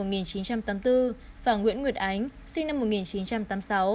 nguyễn nguyệt ánh sinh năm một nghìn chín trăm tám mươi sáu